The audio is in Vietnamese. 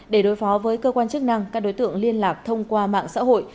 để đối phó với cơ quan chức năng các đối tượng liên lạc thông qua mạng xã hội